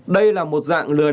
đây là một dạng lựa chọn